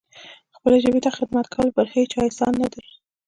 خپلې ژبې ته خدمت کول پر هیچا احسان نه دی.